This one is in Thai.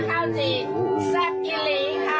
สวัสดี